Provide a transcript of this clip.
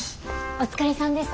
お疲れさんです。